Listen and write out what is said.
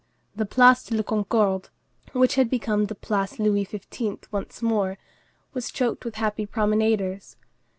The Place de la Concorde, which had become the Place Louis XV. once more, was choked with happy promenaders.